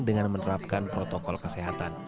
dengan menerapkan protokol kesehatan